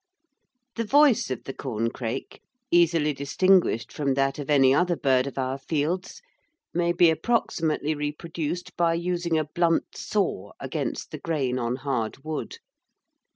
The voice of the corncrake, easily distinguished from that of any other bird of our fields, may be approximately reproduced by using a blunt saw against the grain on hard wood.